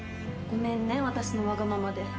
ごめんね私のわがままで。